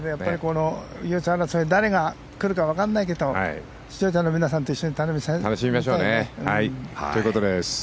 優勝争い誰が来るかわからないけど視聴者の皆さんと一緒にということです。